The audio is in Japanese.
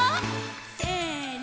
せの！